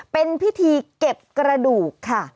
เป็นพิธีเก็บกระดูกค่ะ